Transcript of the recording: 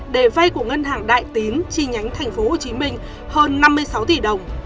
để vay của ngân hàng đại tín chi nhánh tp hcm hơn năm mươi sáu tỷ đồng